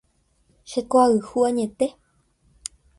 Hekoayhu añete.